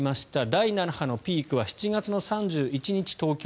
第７波のピークは７月の３１日、東京。